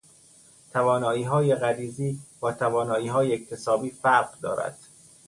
تواناییهای غریزی با تواناییهای اکتسابی فرق دارد.